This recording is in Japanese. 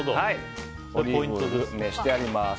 熱してあります。